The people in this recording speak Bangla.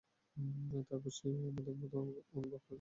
তারপর সে-ও আমাদের মতো একই অনুভব করে কি না তা নিয়ে পড়ে থাকা।